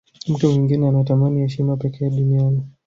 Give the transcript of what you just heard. mtu mwingine anatamani heshima pekee duniani